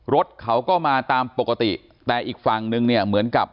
รถเค้าก็มาตามปกติแต่อีกฟังนึงเหมือนกับ